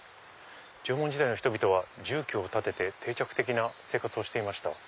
「縄文時代の人びとは住居を建てて定着的な生活をしていました」。